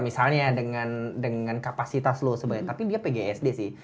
misalnya dengan kapasitas loh sebenarnya tapi dia pgsd sih